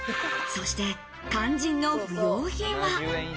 そして肝心の不用品は。